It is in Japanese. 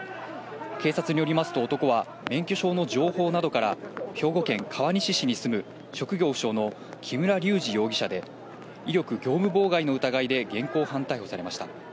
警察によりますと男は、免許証の情報などから、兵庫県川西市に住む職業不詳の木村隆二容疑者で、威力業務妨害の疑いで現行犯逮捕されました。